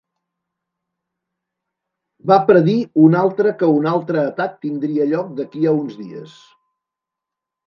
Va predir un altre que un altre atac tindria lloc d'aquí a uns dies.